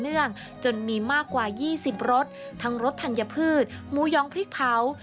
ต่อเนื่องจนมีมากกว่ายี่สิบรสทั้งรสถังยพืชหมูยองพริกเผา